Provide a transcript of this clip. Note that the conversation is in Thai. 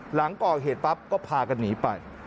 หลังก่อเหตุปั๊บก็พากันหนีไป